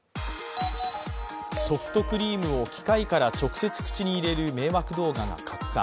ソフトクリームを機械から直接口に入れる迷惑動画が拡散。